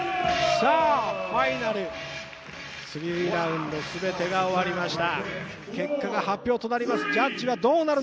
さあ、ファイナル、スリーラウンド全てが終わりました。